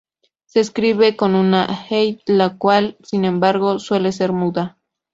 Se escribe con una hei, la cual sin embargo suele ser muda.